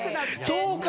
そうか！